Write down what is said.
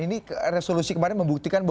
ini resolusi kemarin membuktikan